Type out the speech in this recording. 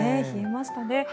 冷えましたね。